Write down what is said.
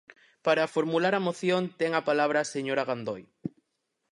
Para formular a moción ten a palabra a señora Gandoi.